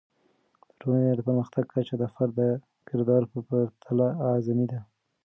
د ټولنې د پرمختګ کچه د فرد د کردار په پرتله اعظمي ده.